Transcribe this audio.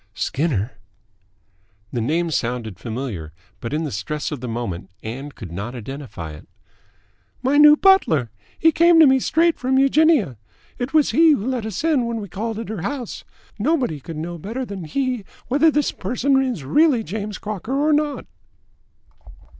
"Skinner?" The name sounded familiar, but in the stress of the moment Ann could not identify it. "My new butler. He came to me straight from Eugenia. It was he who let us in when we called at her house. Nobody could know better than he whether this person is really James Crocker or not."